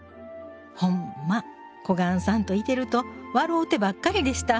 ほんま小雁さんといてると笑うてばっかりでした